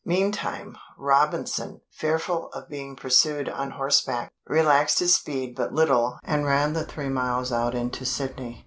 Meantime, Robinson, fearful of being pursued on horseback, relaxed his speed but little and ran the three miles out into Sydney.